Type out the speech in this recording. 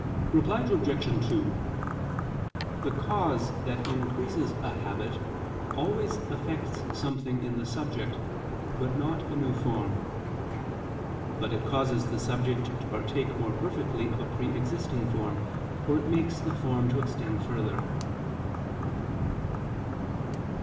Reply Obj. 2: The cause that increases a habit, always effects something in the subject, but not a new form. But it causes the subject to partake more perfectly of a pre existing form, or it makes the form to extend further.